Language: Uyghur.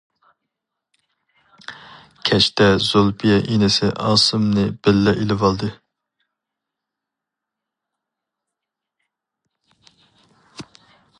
كەچتە زۇلپىيە ئىنىسى ئاسىمنى بىللە ئېلىۋالدى.